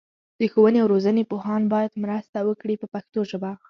د ښوونې او روزنې پوهان باید مرسته وکړي په پښتو ژبه.